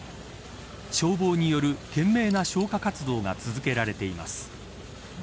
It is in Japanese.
消防による懸命な消火活動が続けられています。